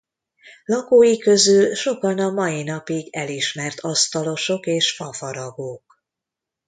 Lakói közül sokan a mai napig elismert asztalosok és fafaragók.